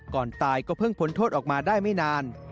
ก่อนตายก็เพิ่งพ้นโทษออกมาได้ไม่นาน